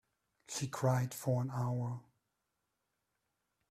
She cried for an hour.